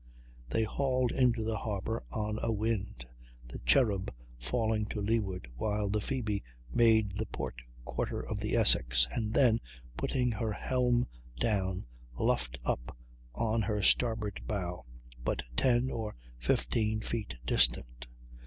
They hauled into the harbor on a wind, the Cherub falling to leeward; while the Phoebe made the port quarter of the Essex, and then, putting her helm down, luffed up on her starboard bow, but 10 or 15 feet distant.